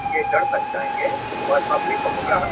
مراقبه کول د ذهن ارامي زیاتوي.